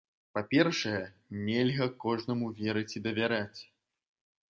Па-першае, нельга кожнаму верыць і давяраць.